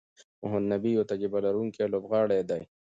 محمد نبي یو تجربه لرونکی لوبغاړی دئ.